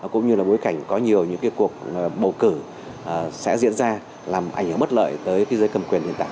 cũng như là bối cảnh có nhiều những cuộc bầu cử sẽ diễn ra làm ảnh hưởng bất lợi tới thế giới cầm quyền hiện tại